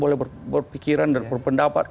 boleh berpikiran dan berpendapat